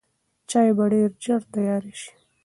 چای به ډېر ژر تیار شي.